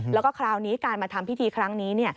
แล้วก็คราวนี้การมาทำพิธีครั้งนี้